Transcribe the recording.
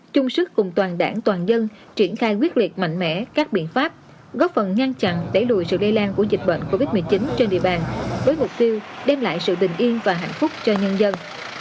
chung sức cùng toàn đảng toàn dân triển khai quyết liệt mạnh mẽ các biện pháp góp phần ngăn chặn đẩy lùi sự lây lan của dịch bệnh covid một mươi chín trên địa bàn với mục tiêu đem lại sự bình yên và hạnh phúc cho nhân dân